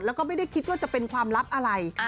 แล้วก็ไม่ได้คิดว่าจะเป็นความลับอะไร